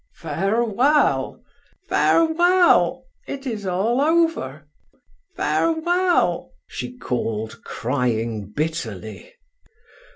"Farewell, farewell; it is all over, farewell!" she called, crying bitterly.